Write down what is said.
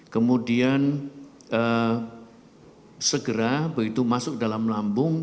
kemudian segera begitu masuk dalam lambung